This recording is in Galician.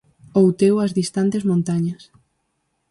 Outeou as distantes montañas.